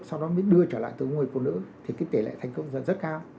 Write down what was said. sau đó mới đưa trở lại tới người phụ nữ thì kết kế lại thành công rất cao